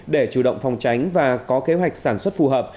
để chủ động phòng tránh và có kế hoạch sản xuất phù hợp